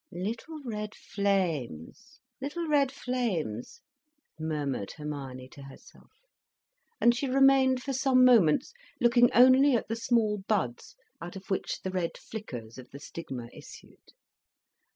"Little red flames, little red flames," murmured Hermione to herself. And she remained for some moments looking only at the small buds out of which the red flickers of the stigma issued.